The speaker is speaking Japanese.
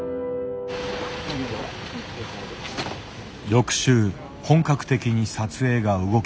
翌週本格的に撮影が動きだした。